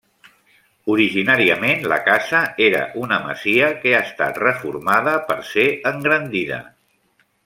Originàriament la casa era una masia que ha estat reformada per ser engrandida.